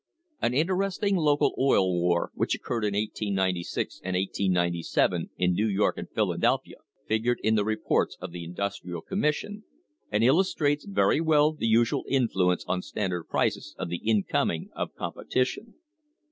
An interesting local "Oil War," which occurred in 1896 and 1897 m New York and Philadelphia, figured in the re ports of the Industrial Commission, and illustrates very well the usual influence on Standard prices of the incoming of competition.